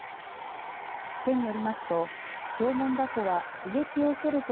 県によりますとヒョウモンダコは刺激を受けると